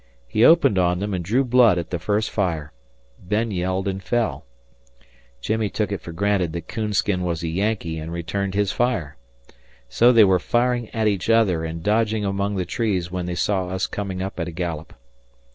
He opened on them and drew blood at the first fire. Ben yelled and fell. Jimmie took it for granted that "Coonskin" was a Yankee and returned his fire. So they were firing at each other and dodging among the trees when they saw us coming up at a gallop.